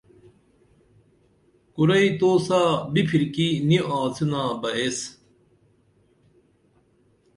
کُرئی تو سا بِپھرکی نی آڅنا بہ ایس